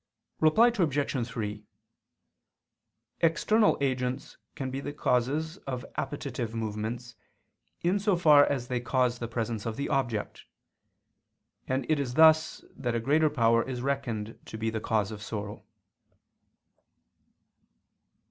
Reply Obj. 3: External agents can be the causes of appetitive movements, in so far as they cause the presence of the object: and it is thus that a greater power is reckoned to be the cause of sorrow.